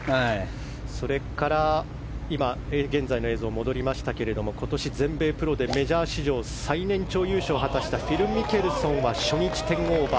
それから現在の映像に戻りましたが今年、全米プロでメジャー史上最年長優勝を果たしたフィル・ミケルソンは初日１０オーバー。